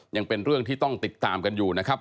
ยังเป็นเรื่องที่ต้องติดตามกันอยู่นะครับ